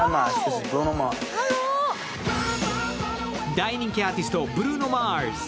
大人気アーティストブルーノ・マーズ。